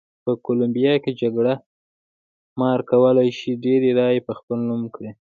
په کولمبیا کې جګړه مار کولای شي ډېرې رایې په خپل نوم کړي.